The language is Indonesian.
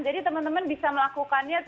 jadi teman teman bisa melakukannya